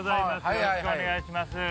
よろしくお願いします。